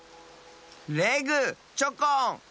レグチョコン！